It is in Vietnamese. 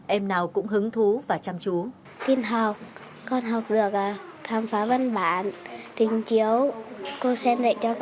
em nào cũng hứng thú và chăm chú